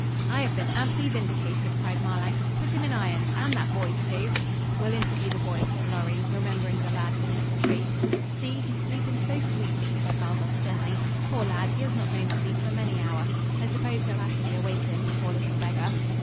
"I have been amply vindicated," cried Marlanx. "Put him in irons and that boy, too." "We'll interview the boy," said Lorry, remembering the lad beneath the tree. "See; he's sleeping so sweetly," said Baldos gently. "Poor lad, he has not known sleep for many hour. I suppose he'll have to be awakened, poor little beggar."